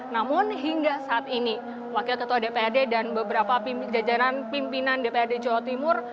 namun hingga saat ini wakil ketua dprd dan beberapa jajaran pimpinan dprd jawa timur